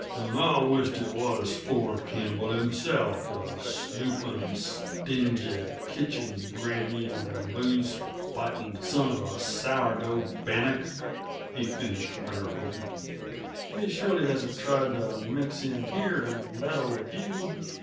"And I wisht it was Ford Campbell himself, the snoopin', stingy, kitchen grannying, booze fightin', son of a sour dough bannock!" he finished prayerfully. "He surely hasn't tried to mix in here, and meddle with you?"